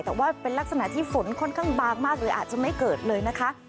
แต่ว่าเป็นลักษณะที่ฝนค่อนข้างบางมากเลยอาจจะไม่เกิดเลยนะคะ